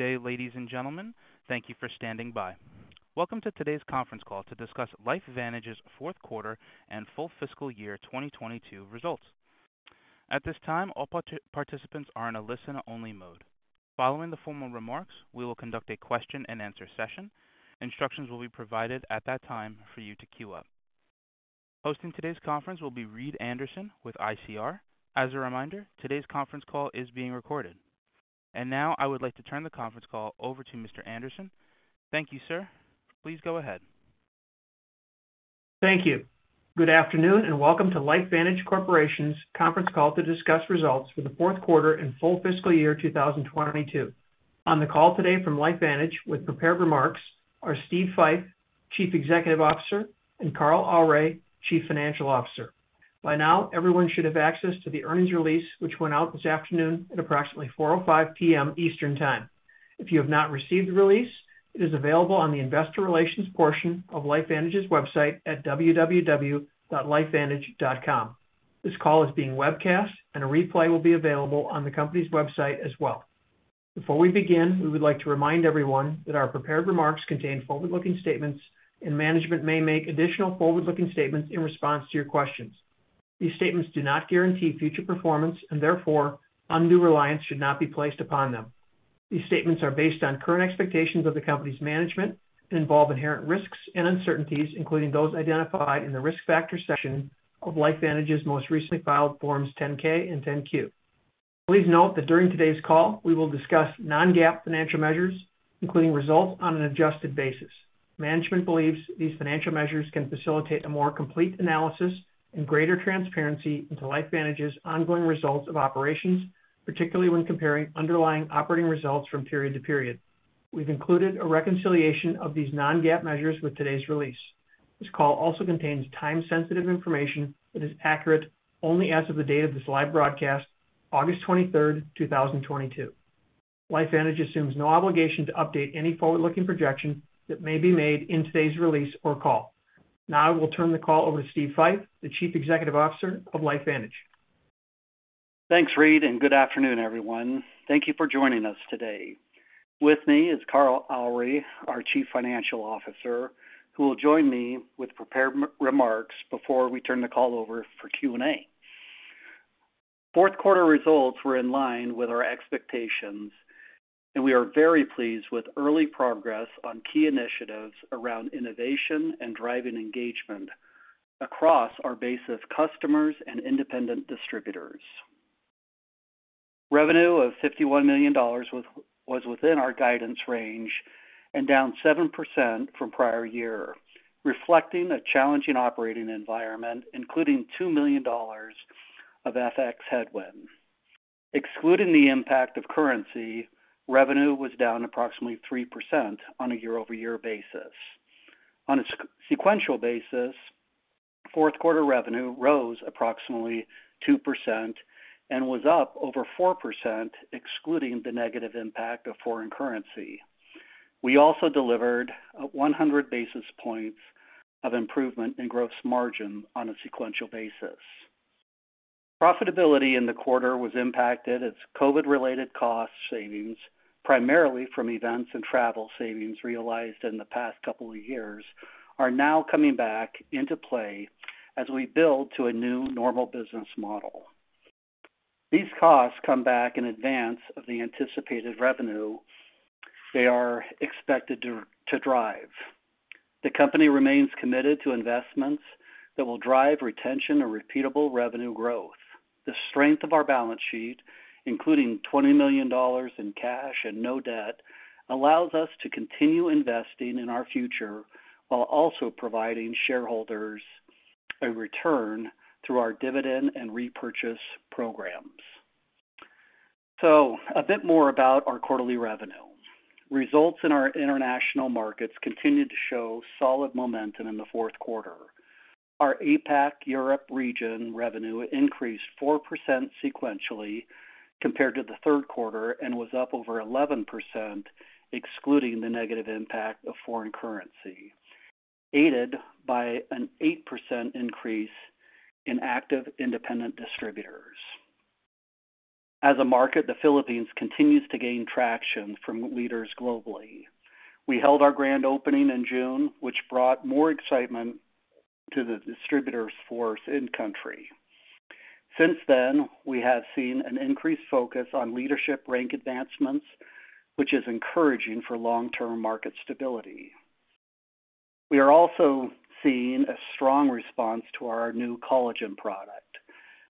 Good day, ladies and gentlemen. Thank you for standing by. Welcome to today's Conference Call to discuss LifeVantage's Q4 and full fiscal year 2022 results. At this time, all participants are in a listen-only mode. Following the formal remarks, we will conduct a question-and-answer session. Instructions will be provided at that time for you to queue up. Hosting today's conference will be Reed Anderson with ICR. As a reminder, today's Conference Call is being recorded. Now I would like to turn the Conference Call over to Mr. Anderson. Thank you, sir. Please go ahead. Thank you. Good afternoon, and welcome to LifeVantage Corporation's Conference Call to discuss results for the Q4 and full fiscal year 2022. On the call today from LifeVantage with prepared remarks are Steve Fife, Chief Executive Officer, and Carl Aure, Chief Financial Officer. By now, everyone should have access to the earnings release, which went out this afternoon at approximately 4:05 P.M. Eastern Time. If you have not received the release, it is available on the investor relations portion of LifeVantage's website at www.lifevantage.com. This call is being webcast, and a replay will be available on the company's website as well. Before we begin, we would like to remind everyone that our prepared remarks contain forward-looking statements, and management may make additional forward-looking statements in response to your questions. These statements do not guarantee future performance, and therefore, undue reliance should not be placed upon them. These statements are based on current expectations of the company's management and involve inherent risks and uncertainties, including those identified in the Risk Factors section of LifeVantage's most recently filed Forms 10-K and 10-Q. Please note that during today's call, we will discuss non-GAAP financial measures, including results on an adjusted basis. Management believes these financial measures can facilitate a more complete analysis and greater transparency into LifeVantage's ongoing results of operations, particularly when comparing underlying operating results from period to period. We've included a reconciliation of these non-GAAP measures with today's release. This call also contains time-sensitive information that is accurate only as of the date of this live broadcast, August 23, 2022. LifeVantage assumes no obligation to update any forward-looking projection that may be made in today's release or call. Now I will turn the call over to Steve Fife, the Chief Executive Officer of LifeVantage. Thanks, Reed, and good afternoon, everyone. Thank you for joining us today. With me is Carl Aure, our Chief Financial Officer, who will join me with prepared remarks before we turn the call over for Q&A. Q4 results were in line with our expectations, and we are very pleased with early progress on key initiatives around innovation and driving engagement across our base of customers and independent distributors. Revenue of $51 million was within our guidance range and down 7% from prior year, reflecting a challenging operating environment, including $2 million of FX headwind. Excluding the impact of currency, revenue was down approximately 3% on a year-over-year basis. On a sequential basis, Q4 revenue rose approximately 2% and was up over 4% excluding the negative impact of foreign currency. We also delivered 100 basis points of improvement in gross margin on a sequential basis. Profitability in the quarter was impacted as COVID-related cost savings, primarily from events and travel savings realized in the past couple of years, are now coming back into play as we build to a new normal business model. These costs come back in advance of the anticipated revenue they are expected to drive. The company remains committed to investments that will drive retention and repeatable revenue growth. The strength of our balance sheet, including $20 million in cash and no debt, allows us to continue investing in our future while also providing shareholders a return through our dividend and repurchase programs. A bit more about our quarterly revenue. Results in our international markets continued to show solid momentum in the Q4. Our APAC Europe region revenue increased 4% sequentially compared to the Q3 and was up over 11% excluding the negative impact of foreign currency, aided by an 8% increase in active independent distributors. As a market, the Philippines continues to gain traction from leaders globally. We held our grand opening in June, which brought more excitement to the distributors' force in-country. Since then, we have seen an increased focus on leadership rank advancements, which is encouraging for long-term market stability. We are also seeing a strong response to our new collagen product,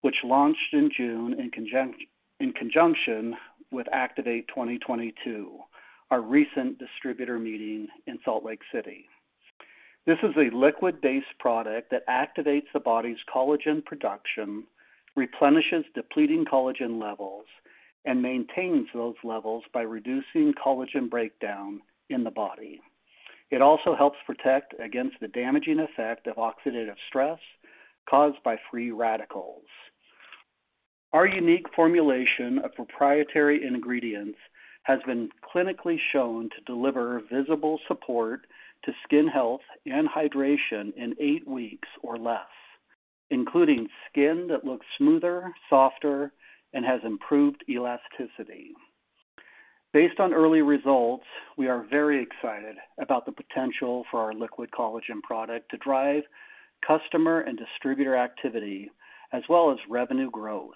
which launched in June in conjunction with Activate 2022, our recent distributor meeting in Salt Lake City. This is a liquid-based product that activates the body's collagen production, replenishes depleting collagen levels, and maintains those levels by reducing collagen breakdown in the body. It also helps protect against the damaging effect of oxidative stress caused by free radicals. Our unique formulation of proprietary ingredients has been clinically shown to deliver visible support to skin health and hydration in eight weeks or less, including skin that looks smoother, softer, and has improved elasticity. Based on early results, we are very excited about the potential for our liquid collagen product to drive customer and distributor activity as well as revenue growth.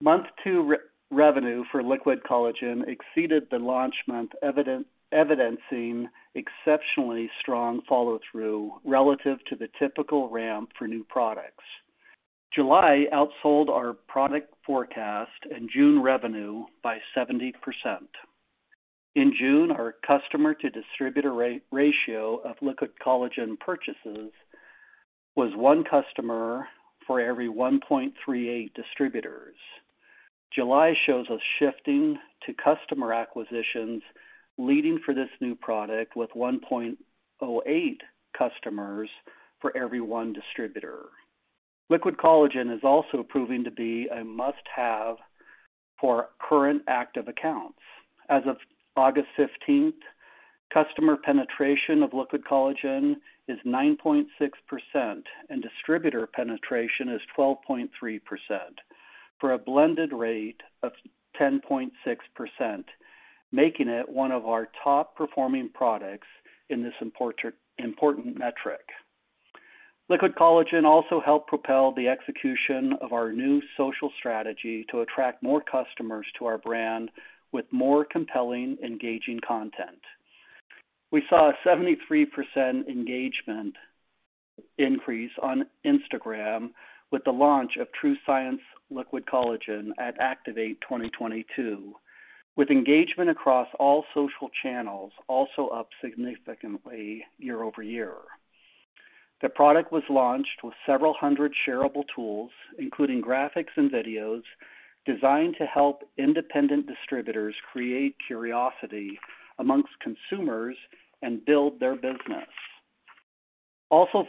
Month two revenue for liquid collagen exceeded the launch month, evidencing exceptionally strong follow-through relative to the typical ramp for new products. July outsold our product forecast and June revenue by 70%. In June, our customer-to-distributor ratio of liquid collagen purchases was one customer for every 1.38 distributors. July shows us shifting to customer acquisitions leading for this new product with 1.08 customers for every one distributor. Liquid Collagen is also proving to be a must-have for current active accounts. As of August fifteenth, customer penetration of Liquid Collagen is 9.6% and distributor penetration is 12.3% for a blended rate of 10.6%, making it one of our top-performing products in this important metric. Liquid Collagen also helped propel the execution of our new social strategy to attract more customers to our brand with more compelling, engaging content. We saw a 73% engagement increase on Instagram with the launch of TrueScience Liquid Collagen at Activate 2022, with engagement across all social channels also up significantly year-over-year. The product was launched with several hundred shareable tools, including graphics and videos designed to help independent distributors create curiosity among consumers and build their business.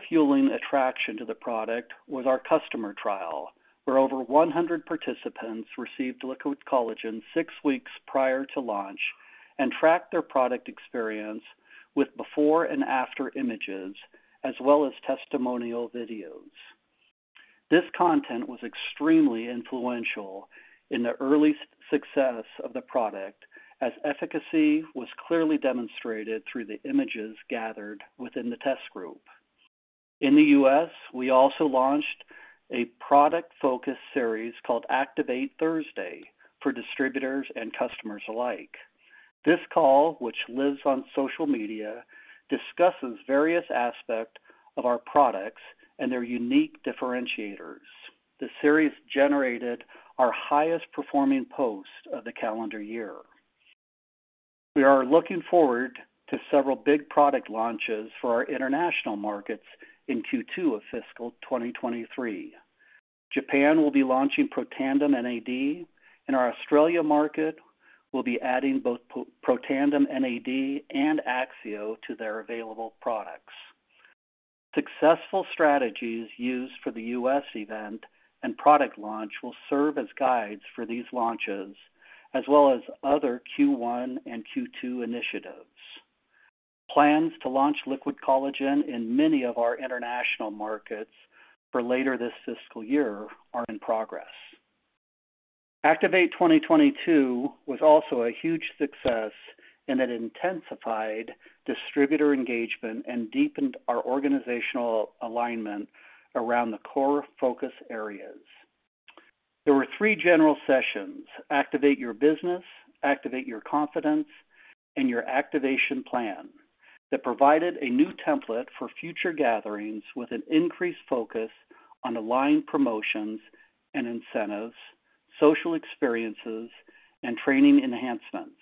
Fueling attraction to the product was our customer trial, where over 100 participants received Liquid Collagen six weeks prior to launch and tracked their product experience with before and after images as well as testimonial videos. This content was extremely influential in the early success of the product as efficacy was clearly demonstrated through the images gathered within the test group. In the U.S., we also launched a product-focused series called Activate Thursday for distributors and customers alike. This call, which lives on social media, discusses various aspects of our products and their unique differentiators. The series generated our highest-performing post of the calendar-year. We are looking forward to several big product launches for our international markets in Q2 of fiscal 2023. Japan will be launching Protandim NAD, and our Australia market will be adding both Protandim NAD and AXIO to their available products. Successful strategies used for the U.S. event and product launch will serve as guides for these launches as well as other Q1 and Q2 initiatives. Plans to launch liquid collagen in many of our international markets for later this fiscal year are in progress. Activate 2022 was also a huge success, and it intensified distributor engagement and deepened our organizational alignment around the core focus areas. There were three general sessions, Activate Your Business, Activate Your Confidence, and Your Activation Plan, that provided a new template for future gatherings with an increased focus on aligned promotions and incentives, social experiences, and training enhancements.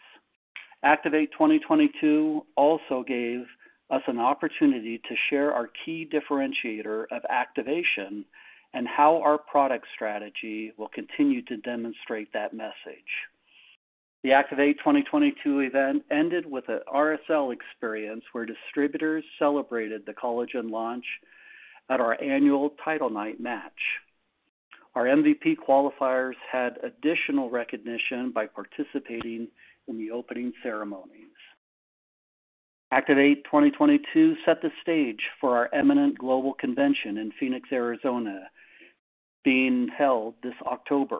Activate 2022 also gave us an opportunity to share our key differentiator of activation and how our product strategy will continue to demonstrate that message. The Activate 2022 event ended with an RSL experience where distributors celebrated the collagen launch at our annual title night match. Our MVP qualifiers had additional recognition by participating in the opening ceremonies. Activate 2022 set the stage for our imminent global convention in Phoenix, Arizona, being held this October.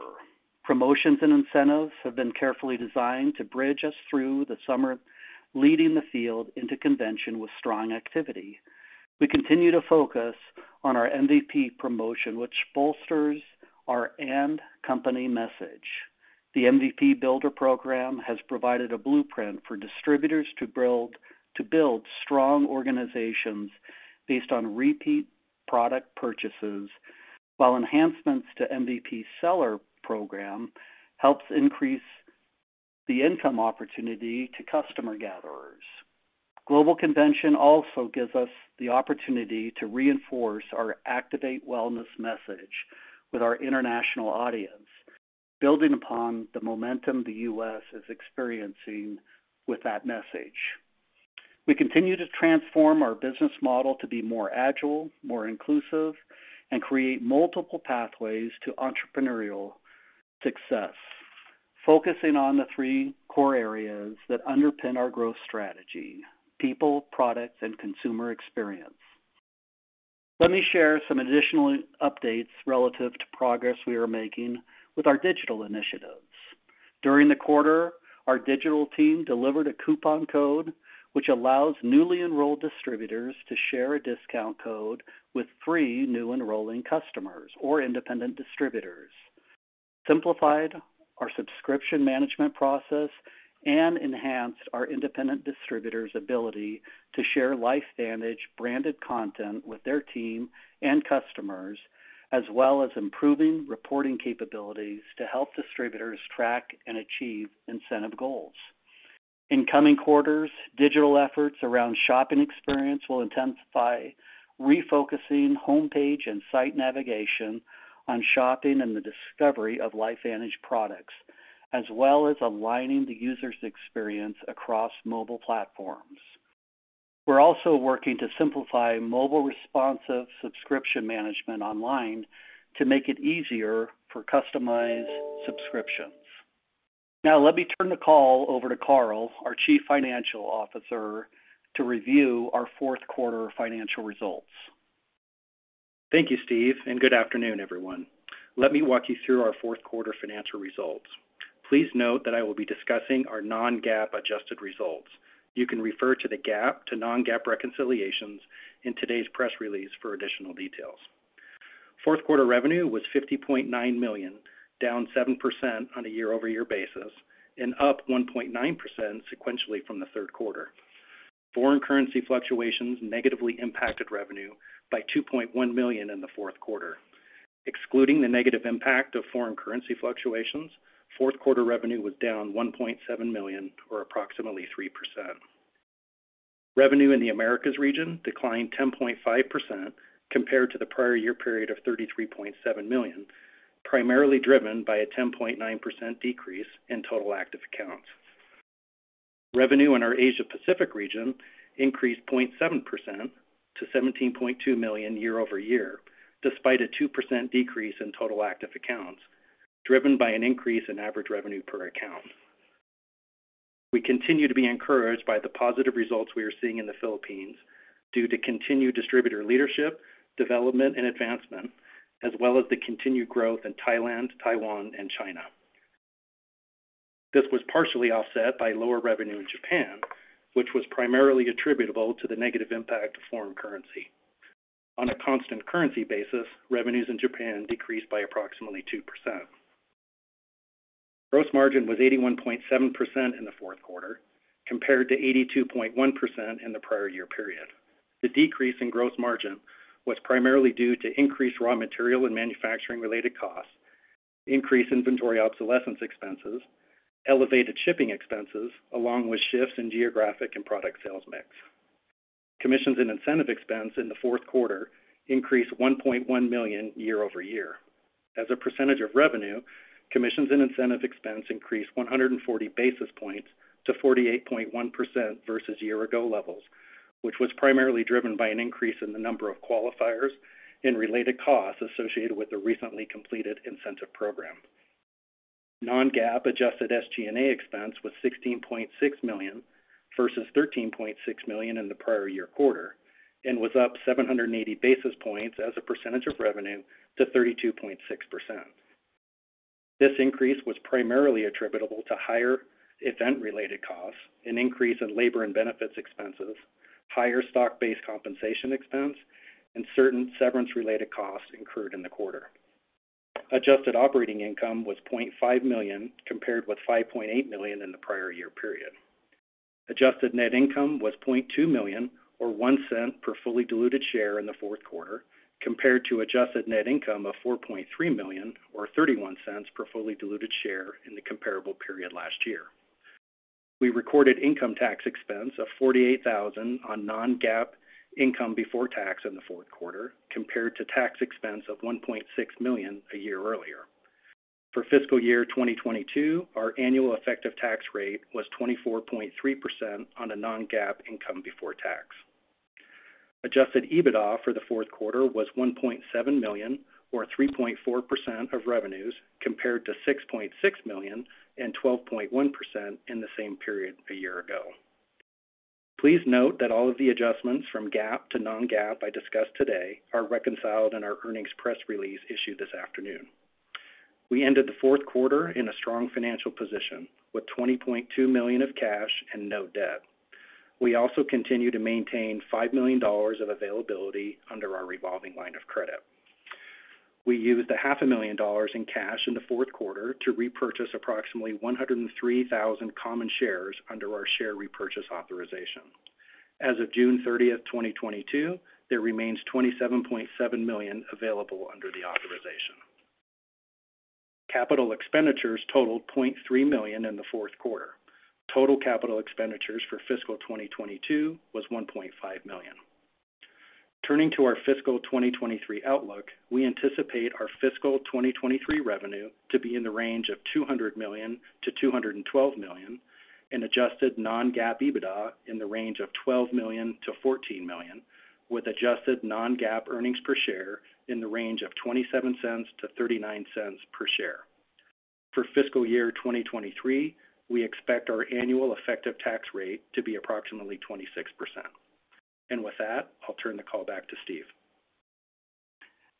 Promotions and incentives have been carefully designed to bridge us through the summer, leading the field into convention with strong activity. We continue to focus on our MVP promotion, which bolsters our in-company message. The MVP Builder program has provided a blueprint for distributors to build strong organizations based on repeat product purchases, while enhancements to MVP Seller program helps increase the income opportunity to customer gatherers. Global Convention also gives us the opportunity to reinforce our Activate Wellness message with our international audience, building upon the momentum the U.S. is experiencing with that message. We continue to transform our business model to be more agile, more inclusive, and create multiple pathways to entrepreneurial success. Focusing on the three core areas that underpin our growth strategy. People, products, and consumer experience. Let me share some additional updates relative to progress we are making with our digital initiatives. During the quarter, our digital team delivered a coupon code which allows newly enrolled distributors to share a discount code with three new enrolling customers or independent distributors, simplified our subscription management process, and enhanced our independent distributors' ability to share LifeVantage branded content with their team and customers, as well as improving reporting capabilities to help distributors track and achieve incentive goals. In coming quarters, digital efforts around shopping experience will intensify, refocusing homepage and site navigation on shopping and the discovery of LifeVantage products, as well as aligning the user's experience across mobile platforms. We're also working to simplify mobile responsive subscription management online to make it easier for customized subscriptions. Now, let me turn the call over to Carl, our Chief Financial Officer, to review our Q4 financial results. Thank you, Steve, and good afternoon, everyone. Let me walk you through our Q4 financial results. Please note that I will be discussing our non-GAAP adjusted results. You can refer to the GAAP to non-GAAP reconciliations in today's press release for additional details. Q4 revenue was $50.9 million, down 7% on a year-over-year basis and up 1.9% sequentially from the Q3. Foreign currency fluctuations negatively impacted revenue by $2.1 million in the Q4. Excluding the negative impact of foreign currency fluctuations, Q4 revenue was down $1.7 million or approximately 3%. Revenue in the Americas region declined 10.5% compared to the prior year period of $33.7 million, primarily driven by a 10.9% decrease in total active accounts. Revenue in our Asia Pacific region increased 0.7% to $17.2 million year-over-year, despite a 2% decrease in total active accounts, driven by an increase in average revenue per account. We continue to be encouraged by the positive results we are seeing in the Philippines due to continued distributor leadership, development, and advancement, as well as the continued growth in Thailand, Taiwan, and China. This was partially offset by lower-revenue in Japan, which was primarily attributable to the negative impact of foreign currency. On a constant currency basis, revenues in Japan decreased by approximately 2%. Gross margin was 81.7% in the Q4 compared to 82.1% in the prior year period. The decrease in gross margin was primarily due to increased raw material and manufacturing-related costs, increased inventory obsolescence expenses, elevated shipping expenses, along with shifts in geographic and product sales mix. Commissions and incentive expense in the Q4 increased $1.1 million year-over-year. As a percentage of revenue, commissions and incentive expense increased 140 basis points to 48.1% versus year-ago levels, which was primarily driven by an increase in the number of qualifiers and related costs associated with the recently completed incentive program. Non-GAAP adjusted SG&A expense was $16.6 million versus $13.6 million in the prior year quarter and was up 780 basis points as a percentage of revenue to 32.6%. This increase was primarily attributable to higher event-related costs, an increase in labor and benefits expenses, higher stock-based compensation expense, and certain severance-related costs incurred in the quarter. Adjusted operating income was $0.5 million, compared with $5.8 million in the prior year period. Adjusted net income was $0.2 million or $0.01 per fully diluted share in the Q4, compared to adjusted net income of $4.3 million or $0.31 per fully diluted share in the comparable period last-year. We recorded income tax expense of $48,000 on non-GAAP income before tax in the Q4 compared to tax expense of $1.6 million a year earlier. For fiscal year 2022, our annual effective tax rate was 24.3% on a non-GAAP income before tax. Adjusted EBITDA for the Q4 was $1.7 million or 3.4% of revenues compared to $6.6 million and 12.1% in the same period a year ago. Please note that all of the adjustments from GAAP to non-GAAP I discussed today are reconciled in our earnings press release issued this afternoon. We ended the Q4 in a strong financial position with $20.2 million of cash and no debt. We also continue to maintain $5 million of availability under our revolving line of credit. We used a half a million dollars in cash in the Q4 to repurchase approximately 103,000 common shares under our share repurchase authorization. As of June thirtieth, 2022, there remains $27.7 million available under the authorization. Capital expenditures totaled $0.3 million in the Q4. Total capital expenditures for fiscal 2022 was $1.5 million. Turning to our fiscal 2023 outlook, we anticipate our fiscal 2023 revenue to be in the range of $200 million-$212 million, and adjusted non-GAAP EBITDA in the range of $12 million-$14 million, with adjusted non-GAAP earnings per share in the range of $0.27-$0.39 per share. For fiscal year 2023, we expect our annual effective tax rate to be approximately 26%. With that, I'll turn the call back to Steve.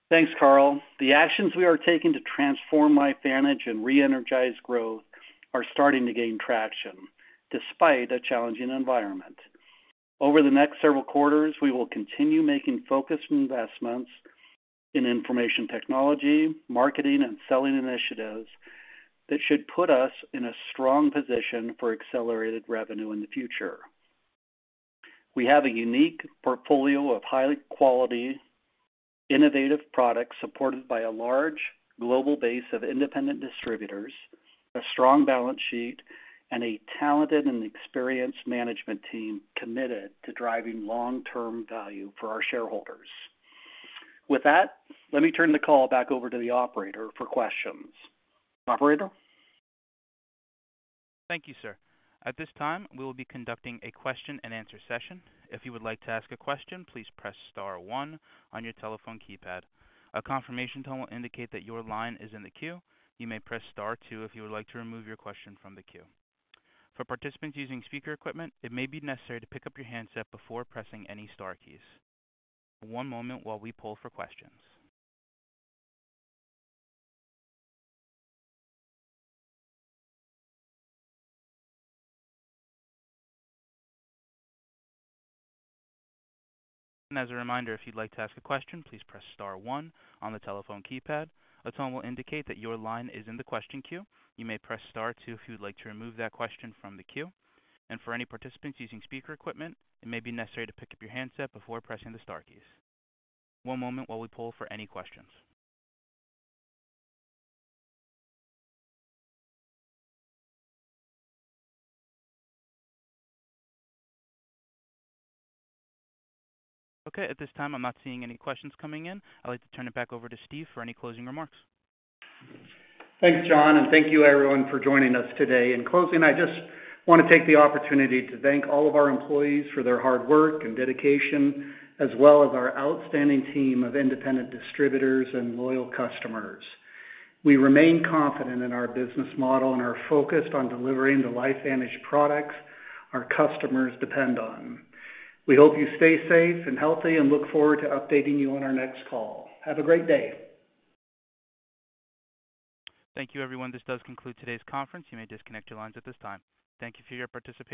Thanks, Carl. The actions we are taking to transform LifeVantage and re-energize growth are starting to gain traction despite a challenging environment. Over the next several quarters, we will continue making focused investments in information technology, marketing, and selling initiatives that should put us in a strong position for accelerated revenue in the future. We have a unique portfolio of high-quality, innovative products supported by a large global base of independent distributors, a strong balance sheet, and a talented and experienced management team committed to driving long-term value for our shareholders. With that, let me turn the call back over to the operator for questions. Operator. Thank you, sir. At this time, we will be conducting a question and answer session. If you would like to ask a question, please press star one on your telephone keypad. A confirmation tone will indicate that your line is in the queue. You may press star two if you would like to remove your question from the queue. For participants using speaker equipment, it may be necessary to pick up your handset before pressing any star keys. One moment while we poll for questions. As a reminder, if you'd like to ask a question, please press star one on the telephone keypad. A tone will indicate that your line is in the question queue. You may press star two if you'd like to remove that question from the queue. For any participants using speaker equipment, it may be necessary to pick up your handset before pressing the star keys. One moment while we poll for any questions. Okay, at this time, I'm not seeing any questions coming in. I'd like to turn it back over to Steve for any closing remarks. Thanks, John, and thank you everyone for joining us today. In closing, I just wanna take the opportunity to thank all of our employees for their hard work and dedication, as well as our outstanding team of independent distributors and loyal customers. We remain confident in our business model and are focused on delivering the LifeVantage products our customers depend on. We hope you stay safe and healthy and look forward to updating you on our next call. Have a great day. Thank you, everyone. This does conclude today's conference. You may disconnect your lines at this time. Thank you for your participation.